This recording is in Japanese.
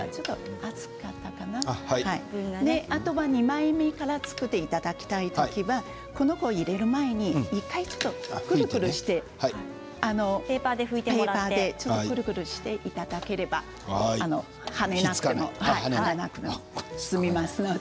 あとは２枚目から作っていただきたい時はこの子を入れる前に１回ちょっとペーパーでくるくるして拭いていただければ跳ねなくて済みますので。